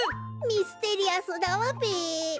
ミステリアスだわべ。